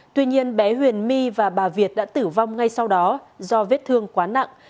tuy nhiên bé huyền my và bà việt đã tử vong ngay sau đó do vết thương quá nặng